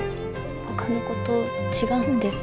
ほかの子と違うんです。